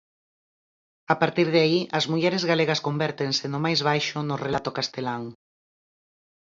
A partir de aí as mulleres galegas convértense no máis baixo no relato castelán.